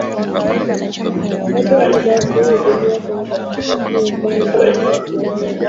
Baadhi ya hoja kuu ziliibuliwa kwenye Sustainable Blue Economy Conference Nairobi